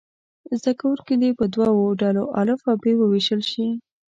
زده کوونکي دې په دوو ډلو الف او ب وویشل شي.